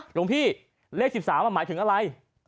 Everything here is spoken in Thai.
หลวงพี่เลข๑๓มันหมายถึงอะไร